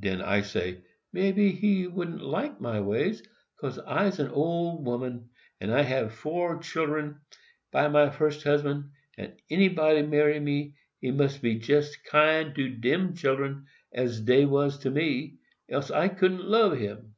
Den I say maybe he wouldn't like my ways, 'cause I'se an ole woman, and I hab four children by my first husband; and anybody marry me, must be jest kind to dem children as dey was to me, else I couldn't lub him.